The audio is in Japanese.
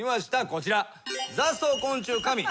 こちら。